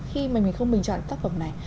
khi mà mình không bình chọn tác phẩm này